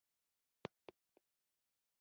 د بازار څارنه د پرمختګ لارې پيدا کوي.